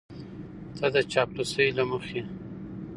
نه د چاپلوسۍ له مخې